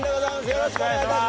よろしくお願いします！